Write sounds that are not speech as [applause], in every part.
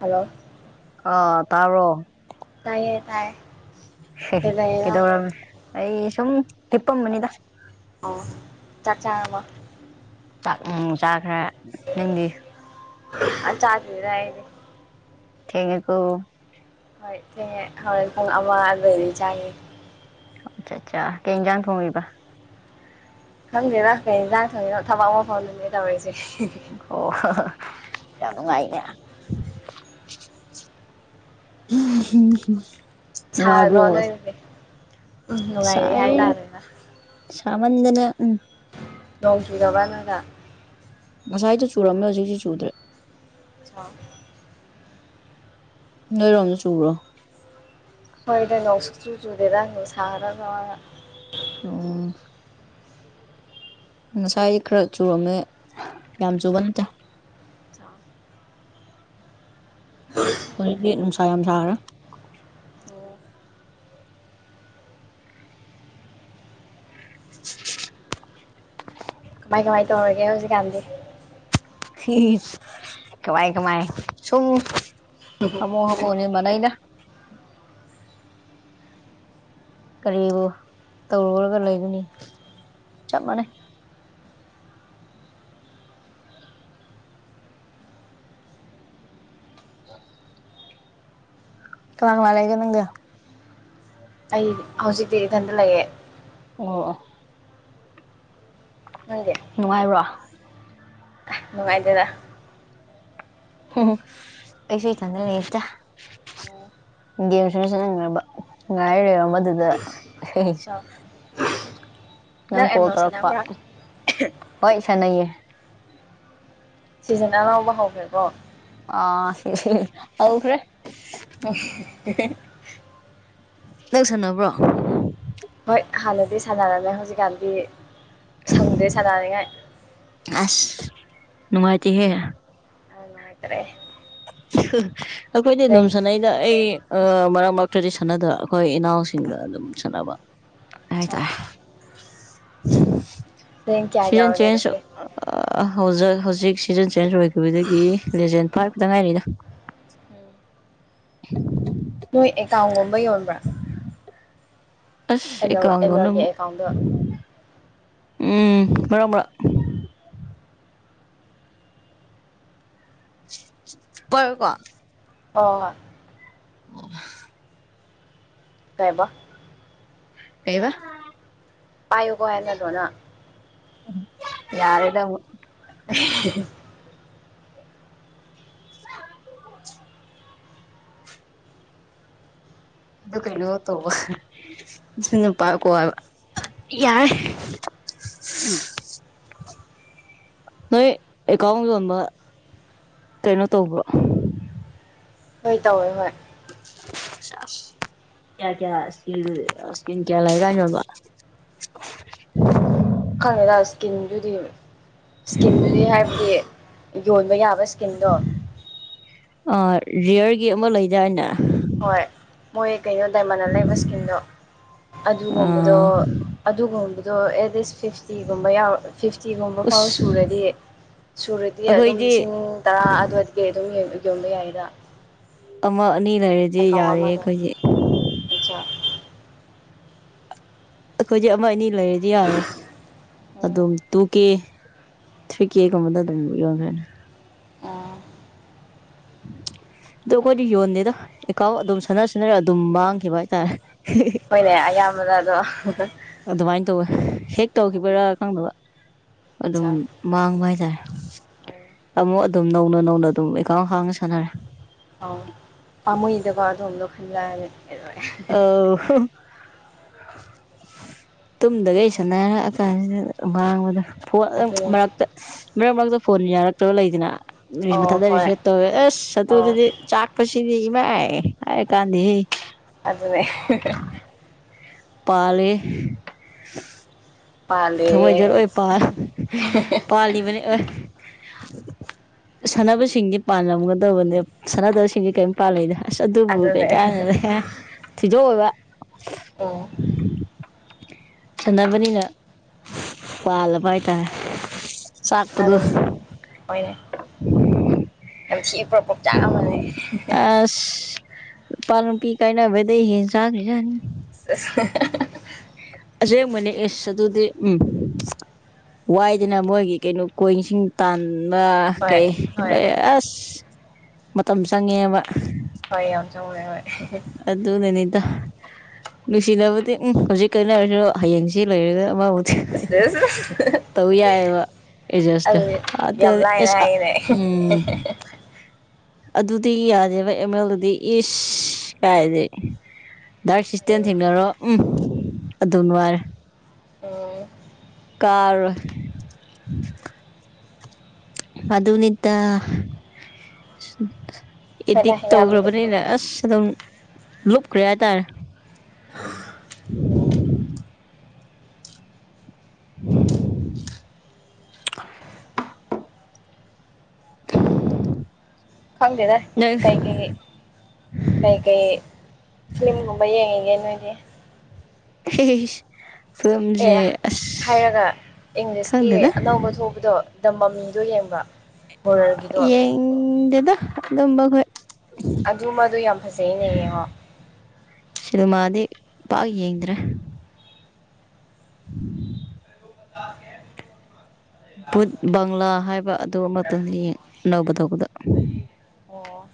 hello ꯑ ꯇꯥꯔꯣ ꯇꯥꯏꯌꯦ ꯇꯥꯏ ꯀꯩꯗꯧꯔꯝꯃꯦ ꯑꯩ ꯁꯨꯝ ꯂꯤꯞꯄꯝꯕꯅꯤꯗ ꯑ ꯇꯥꯛ ꯑꯝꯕ ꯎ ꯆꯥꯈ꯭ꯔꯦ ꯅꯪꯗꯤ ꯑ ꯆꯥꯗꯔꯑꯅꯦ ꯊꯉꯀꯨ ꯍꯣꯏ ꯏ ꯍꯣꯏ ꯄꯨꯡ ꯑꯃ ꯂꯩꯔꯤ ꯆꯥꯅꯤꯦ ꯑꯆꯥ ꯑꯆꯥ ꯀꯩꯅꯖ ꯊꯣꯡꯉꯩꯕ ꯈꯪꯗꯦꯔꯥꯛ ꯀꯩꯅ ꯂꯥꯛ ꯊꯧꯔꯤꯅꯣ ꯊꯕꯛ ꯑꯃ ꯐꯥꯎꯗꯅꯦ ꯇꯧꯔꯤꯁꯦ ꯑꯣ ꯍꯣ ꯌꯥꯝ ꯅꯨꯡꯉꯥꯏꯅꯦ ꯍꯝ ꯁꯥꯗꯣ ꯅꯣꯏꯔꯅꯦ ꯎꯝ ꯅꯨꯡꯉꯥꯏꯔꯦ ꯍꯥꯏꯇꯥꯔꯦꯅꯦ ꯃꯟꯗꯅ ꯎꯝ ꯅꯣꯡ ꯆꯨꯖꯕꯅꯗꯥ ꯉꯁꯥꯏꯗꯨꯣ ꯆꯨꯔꯝꯃꯦ ꯍꯧꯖꯤꯛꯁꯤ ꯆꯨꯗ꯭ꯔꯦ ꯑ [unintelligible] [inaudible] ꯅꯣꯏꯔꯣꯝꯗ ꯆꯕ꯭ꯔꯣ ꯍꯣꯏꯗ ꯅꯣꯁꯨ ꯆꯨ ꯆꯨꯗꯦꯔ ꯁꯥꯔꯒ ꯑꯣ ꯉꯁꯥꯏ ꯈꯔ ꯆꯨꯔꯝꯃꯦ ꯌꯥꯝ ꯆꯨꯕ ꯅꯠꯇꯦ ꯍꯗꯤ ꯅꯨꯡꯁꯥ ꯌꯥꯝ ꯁꯥ꯭ꯔ [unintelligible] [inaudible] ꯀꯃꯥꯏ ꯀꯃꯥꯏ ꯇꯧꯔꯒꯦ ꯍꯧꯖꯤꯛꯀꯥꯟꯗꯤ ꯁꯤ ꯀꯃꯥꯏ ꯀꯃꯥꯏ ꯁꯨꯝ ꯍꯕꯣ ꯍꯕꯣ ꯅꯅ ꯀꯔꯤꯕ ꯇꯧꯔꯨꯔꯒ ꯂꯩꯒꯅꯤ ꯆꯞ ꯃꯥꯟꯅꯩ ꯑ [unintelligible] [inaudible] ꯉ ꯂꯩꯒ ꯅꯪꯒ ꯑꯩ ꯍꯧꯖꯤꯛꯇꯤ ꯏꯊꯟꯗ ꯂꯩꯑꯦ ꯑꯣ ꯅꯪꯗꯤ ꯅꯨꯡꯉꯥꯏꯕ꯭ꯔꯣ ꯅꯨꯡꯉꯥꯏꯖꯗ ꯎꯝ ꯑꯩꯁꯨ ꯆ ꯂꯩꯠꯇ ꯑꯣ ꯒꯦꯝꯁꯨꯁꯨ ꯅꯪꯅꯕ ꯉꯥꯏꯔꯔꯣ ꯃꯗꯨꯗ ꯑꯠꯆꯥ ꯅꯪ ꯑꯦꯝ ꯀꯣꯜ ꯃꯦꯜ ꯇꯧꯔꯛꯄ ꯁꯥꯟꯅꯕ꯭ꯔꯥ ꯍꯣꯏ ꯁꯥꯟꯅꯩꯌꯦ ꯁꯤꯁꯤꯅ ꯑꯉꯥꯎꯕ ꯍꯧꯈ꯭ꯔꯦꯀꯣ ꯑ꯭ꯔꯦ ꯑꯣ ꯂꯧꯧꯁꯅꯕ꯭ꯔꯣ ꯍꯣꯏ ꯍꯥꯟꯅꯗꯤ ꯁꯥꯟꯅꯔꯝꯃꯦ ꯍꯧꯖꯤꯛꯀꯥꯟꯗꯤ ꯁꯪꯗꯦ ꯁꯥꯟꯅꯔꯤꯉꯥꯏ ꯑꯁ ꯅꯨꯡꯉꯥꯏꯇꯍꯦ ꯅꯨꯡꯉꯥꯏꯇꯔꯛꯑꯦ ꯑꯩꯈꯣꯏꯗꯤ ꯑꯗꯨꯝ ꯔꯦꯡ ꯁꯥꯟꯅꯩꯗ ꯑꯩ ꯑ ꯃꯔꯛ ꯃꯔꯛꯇꯗꯤ ꯁꯥꯟꯅꯗꯕ ꯑꯩꯈꯣꯏ ꯏꯅꯥꯎꯁꯤꯡꯒ ꯑꯗꯨꯝ ꯁꯥꯟꯅꯕ ꯍ ꯇ [unintelligible] [inaudible] ꯀꯌꯥ ꯁꯤꯖꯟ ꯌꯧꯔꯒꯦ ꯆꯦꯟꯖ ꯑꯗꯨꯗꯤ ꯑ ꯍꯧꯖꯤꯛ ꯍꯧꯖꯤꯛ ꯁꯤꯖꯟ ꯆꯦꯟꯖ ꯑꯣꯏꯈꯤꯕꯗꯒꯤ ꯂꯦꯖꯦꯟ ꯐꯥꯏꯚꯇ ꯉꯥꯏꯔꯤꯗ ꯎ ꯎꯝ [unintelligible] [inaudible] ꯅꯣꯏ ꯑꯦꯀꯥꯎꯟꯒꯨꯝꯕ ꯌꯣꯟꯕ꯭ꯔꯥ ꯑꯁ ꯑꯦꯝ ꯑꯦꯜ ꯑꯦꯝ ꯑꯦꯀꯅ ꯑꯦꯜꯒꯤ ꯑꯦꯀꯥꯎꯟꯗꯣ ꯎꯝ ꯃꯔꯕ꯭ꯔ ꯄꯨꯔꯀꯣ ꯍ [unintelligible] [inaudible] ꯑꯣ ꯇꯥꯏꯕ ꯀꯩꯗ ꯄꯑꯣ ꯀꯣ ꯍꯦꯜꯅꯦꯠ ꯍꯅ ꯌꯥꯔꯦꯗ [unintelligible] [inaudible] ꯏ ꯀꯔꯤꯑꯣꯣ ꯇꯧꯕ ꯅꯨꯄꯥ ꯀꯋꯥꯕ ꯌꯥꯔꯦ ꯅꯣꯏ ꯑꯦꯀꯥꯎꯕ ꯀꯩꯅꯣ ꯇꯧꯕ ꯍꯣꯏ ꯇꯧꯋꯦ ꯍꯣꯏ ꯑ [unintelligible] [inaudible] ꯀꯌꯥ ꯀꯌꯥ ꯏꯁꯀꯤ ꯏꯁꯀꯤ ꯀꯌꯥ ꯂꯩꯒ ꯏꯕ [unintelligible] ꯈꯪꯉꯦꯗ ꯏꯁꯀꯤꯟꯗꯨꯗꯤ ꯏꯁꯀꯤꯟꯗꯨꯗꯤ ꯍꯥꯏꯕꯗꯤ ꯌꯣꯟꯕ ꯌꯥꯕ ꯋꯁꯀꯤꯟꯗꯣ ꯑ ꯔꯤꯌꯔꯒꯤ ꯑꯃ ꯂꯩꯗꯥꯏꯅꯦ ꯍꯣꯏ ꯃꯣꯏ ꯀꯩꯅꯣ ꯗꯥꯏꯃꯟꯗ ꯂꯩꯕ ꯏꯁꯀꯤꯝꯗꯣ ꯑꯗꯨꯒꯨꯝꯕꯗꯣ ꯑꯗꯨꯒꯨꯝꯕꯗꯣ ꯑꯦꯠ ꯐꯤꯐꯇꯤꯒꯨꯝꯕ ꯌꯥ ꯐꯤꯐꯇꯤꯒꯨꯝꯕ ꯐꯥꯎ ꯎꯁ ꯁꯨꯔꯗꯤ ꯁꯨꯔꯗꯤ ꯑꯗꯨꯝ ꯑꯩꯈꯣꯏꯗꯤ ꯂꯤꯁꯤꯡ ꯇꯔꯥ ꯑꯗꯨꯋꯥꯏꯗꯒꯤ ꯑꯗꯨꯝ ꯌꯣꯟꯕ ꯌꯥꯏꯗ ꯑꯃ ꯑꯅꯤ ꯂꯩꯔꯗꯤ ꯑꯦꯀꯥꯎꯟ ꯌꯥꯔꯦ ꯑꯃꯗ ꯑꯩꯈꯣꯏꯁꯦ ꯑꯆꯥ ꯑꯩꯈꯣꯏꯗꯤ ꯑꯃ ꯑꯅꯤ ꯂꯩꯔꯗꯤ ꯌꯥꯔꯦ ꯑꯗꯨꯝ ꯇꯨ ꯀꯦ ꯊ꯭ꯔꯤ ꯀꯦꯒꯨꯝꯕꯗ ꯑꯗꯨꯝ ꯌꯣꯟꯈ꯭ꯔꯦꯅꯤ ꯑꯥ ꯑ ꯑꯩꯈꯣꯏꯗꯤ ꯌꯣꯟꯗꯦꯗ ꯑꯦꯀꯥꯎ ꯑꯗꯨꯝ ꯁꯥꯟꯅ ꯁꯟꯅꯔꯒ ꯑꯗꯨꯝ ꯃꯥꯡꯈꯤꯕ ꯍꯥꯏꯇꯥꯔꯦ ꯍꯣꯏꯅꯦ ꯑꯌꯥꯝꯕꯅ ꯑꯗꯣ ꯑꯗꯨꯃꯥꯏꯅ ꯇꯧꯋꯦ ꯍꯦꯛ ꯇꯧꯈꯤꯕꯔꯥ ꯈꯪꯗꯕ ꯑꯗꯨꯝ ꯑꯆꯥ ꯃꯥꯡꯕ ꯍꯥꯏꯇꯥꯔꯦ ꯑꯃꯨꯛ ꯑꯗꯨꯝ ꯅꯧꯅ ꯅꯧꯅ ꯑꯗꯨꯝ ꯑꯦꯀꯥꯎ ꯍꯥꯡꯅ ꯁꯥꯟꯅꯔꯦ ꯑ ꯄꯥꯃꯨꯗꯀꯣ ꯑ ꯑꯗꯨꯣꯗ ꯈꯟꯂꯔꯦ ꯇꯨꯝꯗꯈꯩ ꯁꯅꯥꯔꯛꯑꯀꯥꯟ ꯃꯥꯡꯕꯗ ꯐꯣꯟ ꯑꯗꯨ ꯑꯗꯨꯅꯦ ꯃꯔꯛꯇ ꯃꯔꯛ ꯃꯔꯛꯇ ꯐꯣꯟ ꯌꯥꯔꯛꯇꯕ ꯂꯩꯗꯅ ꯔꯤꯁ ꯑꯣ ꯍꯣꯏ ꯃꯊꯥꯗꯔꯤꯁ ꯇꯧꯋꯦ ꯑꯁ ꯑꯗꯨ ꯑꯣ ꯑꯗꯨꯗꯤ ꯆꯥꯛꯄ ꯁꯤ ꯃ ꯑꯩ ꯀꯥꯟꯗꯤꯁꯤ ꯑꯗꯨꯅꯦ ꯄꯥꯂꯦ ꯄꯗꯦ ꯄꯥꯜꯂꯤꯕꯅꯤ ꯑꯣꯏ [unintelligible] ꯁꯥꯟꯅꯕꯁꯤꯡꯗꯤ ꯄꯥꯜꯂꯝꯒꯗꯧꯕꯅꯦ ꯁꯥꯟꯅꯗꯕꯁꯤꯡꯁꯦ ꯀꯔꯤꯝ ꯄꯥꯜꯂꯗ ꯑꯁ ꯑꯗꯨꯕꯨ ꯑꯗꯨꯅꯦ ꯀꯩꯀꯥ ꯊꯤꯗꯣꯛꯑꯣꯏꯕ ꯑ ꯁꯥꯟꯅꯕꯅꯤꯅ ꯄꯥꯜꯂꯕ ꯍꯥꯏꯇꯥꯔꯦ ꯁꯥꯥꯛꯄꯗꯨ ꯑꯗꯨꯅꯦ ꯌꯥꯝꯅꯨꯡꯁꯤ ꯄ꯭ꯔ ꯄꯣꯛꯆꯥꯛ ꯑꯃꯅꯤꯅꯦ ꯄꯥꯅ ꯄꯤ ꯀ ꯏꯩꯅꯕꯗ ꯏꯖꯥꯒꯖꯅꯤ [unintelligible] ꯑꯁꯕꯅꯦ ꯑꯦꯁ ꯑꯗꯨꯗꯤ ꯎꯝ ꯋꯥꯏꯗꯅ ꯃꯣꯏꯒꯤ ꯀꯩꯅꯣ ꯀꯣꯏꯁꯤꯡ ꯇꯥꯟ ꯍꯣꯏ ꯍꯣꯏ ꯀꯩꯣꯏ ꯑꯁ ꯃꯇꯝ ꯆꯪꯉꯦꯕ ꯍꯣꯏ ꯑ ꯆ ꯍꯣꯏ ꯍꯣꯏ ꯑꯗꯨꯅꯅꯤꯗ ꯅꯨꯡꯁꯤꯅꯕꯗꯤ ꯎꯝ ꯍꯧꯖꯤꯛ ꯀꯟꯅꯔꯁꯤ ꯍꯌꯦꯡꯁꯤ ꯂꯩꯣꯏꯔꯒ ꯑꯃꯕꯨ ꯑꯁꯁ ꯑꯦꯖꯁꯇꯣ ꯑꯗꯨ ꯑꯗ ꯌꯃ ꯍꯥꯏꯅ ꯑꯦꯁ ꯍꯥꯏꯅꯦ ꯎꯝ ꯑꯗꯨꯗꯤ ꯌꯥꯖꯕ ꯑꯦꯝ ꯑꯦꯜꯗꯨꯗꯤ ꯏꯁ ꯀꯥꯏꯁꯦ ꯗꯔꯛ ꯁꯤꯁꯇꯦꯝ ꯊꯦꯡꯅꯔꯣ ꯎꯝ ꯑꯗꯨꯝ ꯅꯨꯡꯉꯔꯦ ꯎꯝ ꯀꯥꯔ ꯃꯗꯨꯅꯤꯗ ꯍꯣꯏꯗ ꯏꯗꯤꯛ ꯌꯥꯝ ꯇꯧꯈ꯭ꯔꯕꯅꯤꯅ ꯑꯁ ꯑꯗꯨꯝ ꯂꯨꯞꯈ꯭ꯔꯦ ꯍꯥꯏꯇꯥꯔꯦ ꯎꯝ [inaudible] ꯍꯪꯗꯦꯗ ꯅꯪ ꯀꯩ ꯀꯩ ꯀꯩꯀꯩ ꯐꯤꯂꯝꯒꯨꯝꯕ ꯌꯦꯡꯉꯤꯒꯦ ꯅꯣꯏꯒꯤ ꯍ ꯑꯦ ꯍꯥꯏꯔꯒ ꯏꯪꯂꯤꯁꯀꯤ ꯈꯪꯗꯦꯗ ꯑꯅꯧꯕ ꯊꯕꯗꯣ ꯇꯃꯝꯗꯣ ꯌꯦꯡꯕ ꯌꯦꯡꯗꯦꯗ ꯑꯗꯨꯝꯕ ꯍꯣꯏ ꯑꯗꯨꯃꯗꯨ ꯌꯥꯝ ꯐꯖꯩꯅꯦ ꯌꯦꯡꯉꯣ ꯁꯤꯗꯃꯗꯤ ꯄꯥꯛ ꯌꯦꯡꯗ꯭ꯔꯦ [unintelligible] ꯚꯠ ꯕꯪꯂꯥ ꯍꯥꯏꯕ ꯑꯗꯨ ꯑꯃꯇꯪ ꯅꯧꯕ ꯇꯧꯕꯗ ꯑꯣ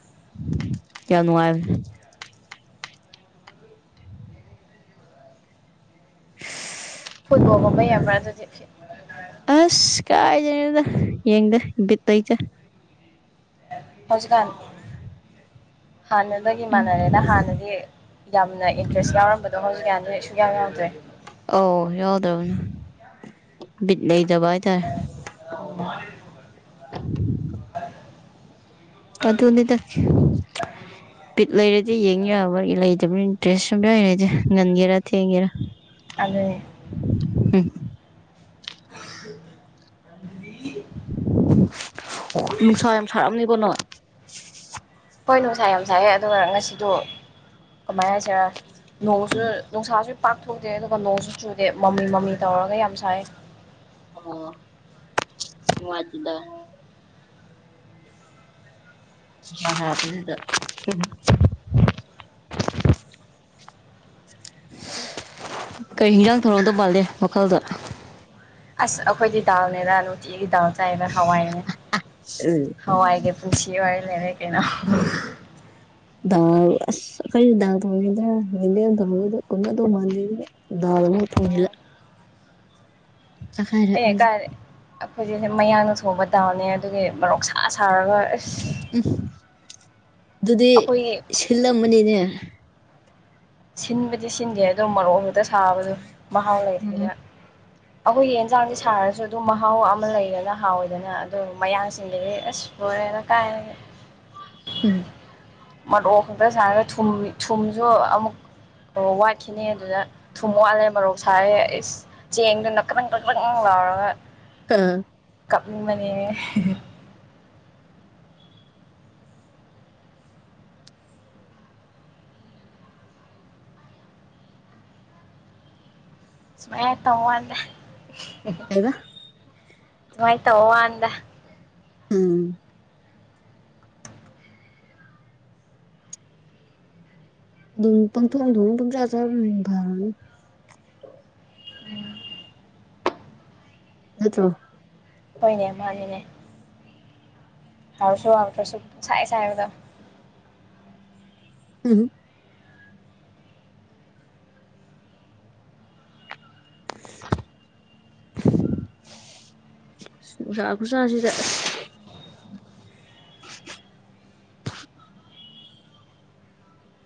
ꯌꯝ ꯅꯨꯡꯉꯥꯏꯕꯅꯦ ꯐꯨꯜꯕꯒꯝꯕꯩ ꯌꯥꯝꯕꯔꯁꯨ ꯆꯞꯁꯤ ꯑꯁ ꯀꯥꯏꯗꯩꯅꯣꯗ ꯌꯦꯡꯗ ꯕꯤꯇ ꯂꯩꯇꯦ ꯍꯧꯖꯤꯛꯀꯥꯟ ꯍꯥꯟꯅꯗꯒꯤ ꯃꯥꯟꯅꯔꯦꯗ ꯍꯥꯟꯅꯗꯤ ꯌꯥꯝꯅ ꯏꯟꯇ꯭ꯔꯦꯁ ꯌꯥꯎꯔꯝꯕꯗꯣ ꯍꯧꯖꯤꯛꯀꯥꯟ ꯌꯥꯎꯗꯔꯦ ꯑꯣ ꯌꯥꯎꯗꯕꯅꯦ ꯂꯩꯇꯕ ꯍꯥꯏꯇꯥꯔ ꯎꯝ [unintelligible] ꯑꯗꯨꯅꯦꯗ ꯄꯤꯠ ꯂꯩꯔꯗꯤ ꯌꯦꯡ ꯌꯥꯕ ꯂꯩꯇꯕꯅꯤꯅ ꯏꯟꯇ꯭ꯔꯦꯁ ꯁꯨꯝ ꯌꯥꯎꯔꯗꯤ ꯉꯟꯒꯦꯔꯥ ꯊꯦꯡꯒꯦꯔꯥ [unintelligible] ꯎꯝ ꯑꯣ ꯅꯨꯡꯁꯥ ꯌꯥꯝ ꯁꯥꯔꯑꯅꯤꯕ ꯅꯣ ꯍꯣꯏ ꯅꯨꯡꯁꯥ ꯌꯥꯝ ꯁꯥꯏ ꯑꯗꯨꯒ ꯉꯁꯤꯗꯣ ꯀꯃꯥꯏꯅ ꯍꯥꯏꯁꯤꯔ ꯅꯣꯡꯁꯨ ꯅꯨꯡꯁꯥꯁꯨ ꯄꯥꯛꯊꯣꯛꯇꯦ ꯑꯗꯨꯒ ꯅꯣꯡꯁꯨ ꯆꯨꯗꯦ ꯃꯃꯤ ꯃꯃꯤ ꯇꯧꯔꯒ ꯌꯥꯝ ꯁꯥꯏ ꯑꯣ ꯃꯁꯤꯗ [inaudible] ꯀꯩ ꯍꯤꯟꯖꯥꯡ ꯊꯧꯔꯝꯗꯧ ꯃꯥꯜꯂꯦ ꯋꯥꯈꯜꯗ ꯑꯁ ꯑꯩꯈꯣꯏꯗꯤ ꯗꯥꯜꯅꯦꯗ ꯅꯨꯡꯇꯤꯒꯤ ꯗꯥꯜꯅꯦ ꯆꯥꯏꯕ ꯍꯋꯥꯏꯅ ꯎꯝ ꯍꯋꯥꯏꯒ ꯄꯨꯟꯁꯤꯌꯔ ꯂꯩꯔꯛ [inaudible] ꯑꯁ ꯀ ꯊꯗ ꯍꯗ ꯀ ꯇꯥꯟ ꯑꯣ [inaudible] ꯇꯍꯥꯔꯑꯣꯏꯖꯦ ꯍꯧꯖꯤꯛꯁꯦ ꯃꯌꯥꯡꯅ ꯊꯣꯡꯕ ꯗꯥꯎꯅꯦ ꯑꯗꯨꯒꯤ ꯃꯔꯣꯔꯣꯛꯁꯥ ꯁꯥꯔꯒ ꯑꯁ ꯑꯗꯨꯗꯤ ꯑꯩꯈꯣꯏꯒꯤ ꯁꯤꯜꯂꯝꯃꯅꯤꯅꯦ ꯁꯤꯟꯕꯨꯗꯤ ꯁꯤꯟꯗꯦ ꯑꯗꯣ ꯃꯔꯣꯛ ꯉꯛꯇ ꯁꯥꯕꯁꯨ ꯃꯍꯥꯎ ꯂꯩꯇꯦꯕ ꯎꯝ ꯑꯩꯈꯣꯏꯒꯤ ꯌꯦꯟꯖꯥꯡꯁꯁꯤ ꯁꯥꯔꯁꯨ ꯑꯗꯨꯝ ꯃꯍꯥꯎ ꯃꯍꯥꯎ ꯑꯃ ꯂꯩꯗꯅ ꯍꯥꯎꯋꯦꯗꯅ ꯑꯗꯨ ꯃꯌꯥꯡꯁꯤꯡꯗꯤ ꯑꯁ ꯂꯣꯏꯔꯦꯗ ꯀꯥꯏꯗꯒꯤ ꯎꯝ ꯃꯔꯣꯛ ꯈꯛꯇ ꯁꯥꯔꯒ ꯊꯨꯝ ꯊꯨꯝꯁꯨ ꯑꯃꯨꯛ ꯑꯣ ꯋꯥꯠꯈꯤꯅꯦ ꯑꯗꯨꯗ ꯊꯨꯝ ꯋꯥꯜꯂꯦ ꯃꯔꯧ ꯁꯥꯔꯦ ꯑꯩ ꯆꯦꯡꯗꯅ ꯀꯃꯟ ꯀꯄꯪ ꯂꯥꯎꯔꯒ ꯑꯗꯨꯝ ꯀꯥꯞꯅꯤꯡꯕꯅꯦ ꯁꯨꯃꯥꯏ ꯇꯧ ꯋꯥꯅꯤꯗ ꯉꯥꯏ ꯇ ꯍꯟꯗ ꯎꯝ ꯑꯗꯨꯝ ꯄꯪꯊꯣꯡꯗ ꯑꯗꯨꯝ ꯄꯪꯖꯥ ꯆꯕꯅ ꯐꯕꯅꯤꯗ ꯅꯇꯔꯣ ꯍꯣꯏꯅꯦ ꯃꯥꯅꯤꯅꯦ ꯍꯥꯔꯁꯨ ꯍꯥꯥꯎꯇ꯭ꯔꯁꯨ ꯁꯥꯏꯦ ꯁꯥꯏꯔꯒ ꯎꯝ [unintelligible] ꯅꯨꯡꯁꯥ ꯈꯨꯁꯥꯁꯤꯗ [unintelligible]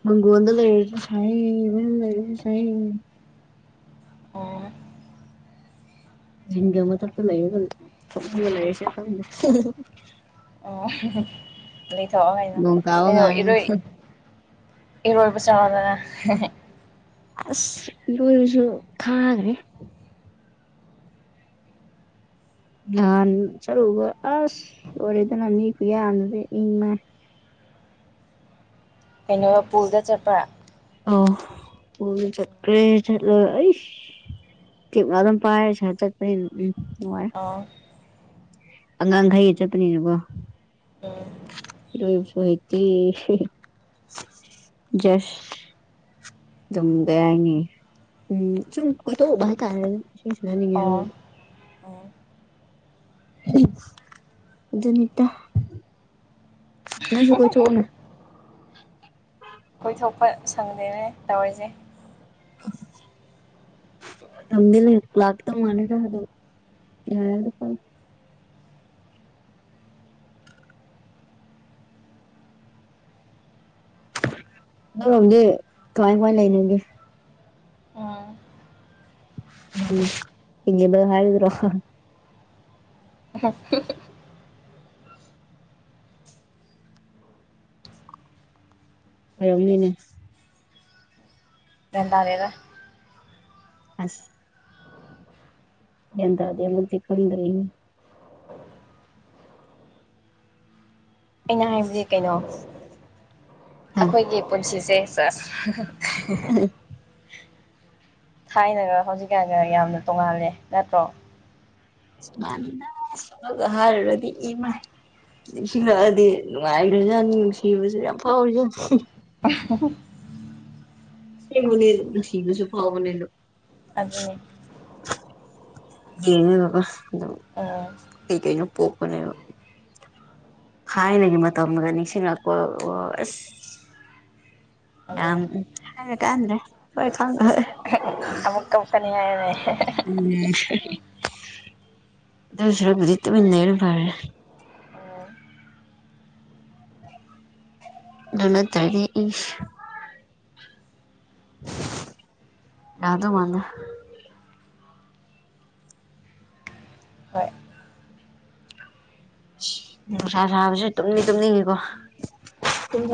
ꯃꯪꯒꯗ ꯂꯩꯔ ꯁ ꯂꯩꯔ ꯁ ꯑꯣ ꯒ ꯑꯃ ꯊ ꯂꯩꯒ ꯂꯩꯁꯦ ꯐ ꯑꯣ ꯂꯩꯊꯣꯛꯑꯣ ꯀꯩꯅꯣ ꯅꯣꯡ ꯇꯥꯕ ꯀꯩꯅꯣ ꯉꯥꯏꯔꯦ ꯏꯔꯣꯏ ꯏꯔꯕ ꯆꯂꯗ ꯑꯁ ꯏ ꯏꯁꯨ ꯈꯥꯒꯦ ꯅꯍꯥꯟ ꯆꯠꯂꯨꯕ ꯑꯁ ꯑꯣꯏꯔꯦꯗꯅꯅꯤꯄ ꯌꯥꯅꯗꯤ ꯏꯪꯃꯦ ꯀꯩꯅꯣ ꯄꯨꯜꯗ ꯆꯠꯄ ꯑ ꯆꯠꯦ ꯆꯠꯂ ꯃ ꯑꯗꯨꯝ ꯄꯑꯁ ꯍꯆꯠ ꯎ ꯑꯥ ꯑꯉꯥꯡꯈꯩꯒ ꯆꯠꯄꯅꯤꯅꯀꯣ ꯑ ꯏꯕꯁꯨꯗꯤ ꯁ ꯑꯗꯨꯨꯝꯒꯦ ꯎꯝ ꯆꯨꯝ ꯎꯕ ꯇꯔ ꯁꯤꯗ ꯑꯣ ꯎꯝ ꯖꯅꯤꯇꯥ ꯅꯁꯨ ꯀꯆ ꯀꯣꯏꯊꯣꯛꯄ ꯁꯪꯗꯦꯅꯅꯦ ꯇꯧꯔꯁꯦ ꯝ ꯂꯩ ꯂꯥꯛ ꯇ ꯃꯅꯤꯔ ꯍꯥꯏꯗ ꯌꯥꯔ ꯌꯥ ꯐ ꯅꯔꯣꯝꯗꯤ ꯀꯃꯥꯏ ꯀꯃꯥꯏ ꯂꯩꯅꯒꯦ ꯎꯝ ꯎ ꯏ ꯍꯥꯏꯗꯔꯣ [unintelligible] ꯍꯔꯣꯃꯤꯅꯦ ꯟꯗꯥꯔꯔ ꯑꯁ ꯌꯦꯗꯗꯦ ꯃꯗꯤ ꯀꯜꯗ꯭ꯔꯔꯤ ꯑꯩꯅ ꯍꯥꯏꯕꯗꯤ ꯀꯩꯅꯣ ꯑꯩꯈꯣꯏꯒꯤ ꯄꯨꯟꯁꯤꯁꯦ [unintelligible] ꯊꯥꯏꯅꯒ ꯍꯧꯖꯤꯛꯀꯥꯟꯒ ꯌꯥꯝꯅ ꯇꯣꯡꯉꯥꯜꯂꯦ ꯅꯠꯇ꯭ꯔꯣ ꯃꯥ ꯍꯥꯔꯕꯗꯤ ꯏꯃ ꯅꯤꯡꯁꯤꯡꯜꯂꯛꯑꯗꯤ ꯅꯨꯡꯉꯥꯏꯈ꯭ꯔꯖꯥꯠꯅꯤ ꯅꯨꯡꯁꯤꯕꯁꯨ ꯌꯥꯝ ꯐꯥꯎꯔꯖꯠꯅꯤ [unintelligible] ꯁꯤ ꯃꯅꯤꯅ ꯁꯤ ꯀꯁꯨ ꯐꯋꯥ ꯃꯅꯅꯣ ꯑꯗꯨꯅꯤ ꯌꯦꯡꯉꯦꯒꯒ ꯑꯗꯨꯝ ꯎꯝ ꯀꯩꯀꯩꯅꯣ ꯄꯣꯛꯄꯅꯦꯕ ꯊꯥꯏꯅꯒꯤ ꯃꯇꯝꯗ ꯅꯤꯡꯁꯤꯡꯂꯛꯄ ꯑꯁ ꯑ ꯑꯗꯨꯅꯤ ꯍꯥꯏ ꯀꯥꯟ꯭ꯔꯦ ꯍꯣꯏꯦ ꯑꯃꯨꯛ ꯀꯨꯛꯀꯅꯤ ꯍꯥꯏꯔꯅꯦ ꯑꯗꯤꯇ ꯃꯅꯦꯔꯨꯝ ꯄꯥꯔꯦ ꯎꯝ ꯂꯅ ꯇꯔ ꯏꯁ ꯌꯥ ꯑꯗꯨ ꯃꯥꯅꯦ ꯍꯣꯏ ꯎ ꯅꯨꯡꯁꯥ ꯁꯥꯕꯁꯨ ꯇꯨꯝꯅꯤꯡ ꯇꯨꯝꯅꯤꯡꯉꯤꯀꯣ ꯇꯨꯡ